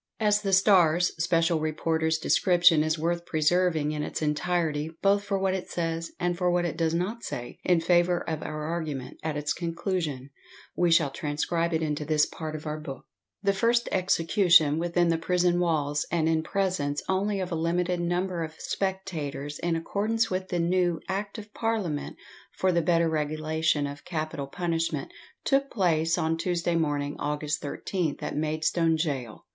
As the Star's special reporter's description is worth preserving in its entirety, both for what it says, and for what it does not say. in favour of our argument, at its conclusion, we shall transcribe it into this part of our book: The first execution within the prison walls, and in presence only of a limited number of spectators, in accordanoe with the new Act of Parliament for the better regulation of capital punishment, took place on Tuesday morning, August 13th, at Maidstone Gaol.